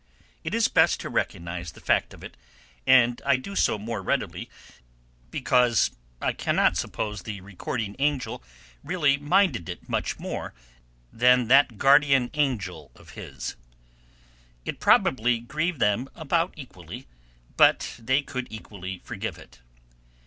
It is best to recognize the fact of it, and I do so the more readily because I cannot suppose the Recording Angel really minded it much more than that Guardian Angel of his. It probably grieved them about equally, but they could equally forgive it.